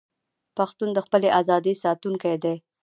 پښتون د خپلې ازادۍ ساتونکی دی.